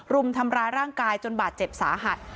รุมทำร้ายร่างกายจนบาดเจ็บสาหัส